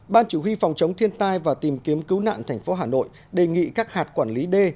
ban chỉ huy phòng chống thiên tai và tìm kiếm cứu nạn thành phố hà nội đề nghị các hạt quản lý đê